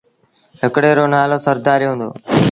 هڪڙي رو نآلو سرڌآريو هُݩدو۔